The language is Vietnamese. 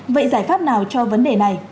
vậy giải pháp nào cho vấn đề này